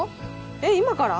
えっ今から？